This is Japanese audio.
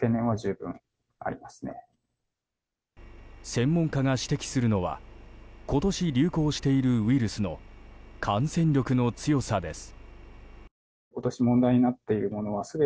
専門家が指摘するのは今年流行しているウイルスの感染力の強さです。